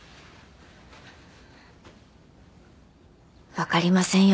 わかりませんよ